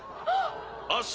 ああ。